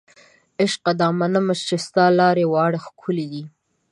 عشقه دا منمه چې ستا لارې واړې ښکلې دي